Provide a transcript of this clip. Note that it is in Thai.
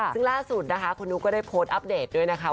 ซึ่งล่าสุดนะคะคุณนุ๊กก็ได้โพสต์อัปเดตด้วยนะคะ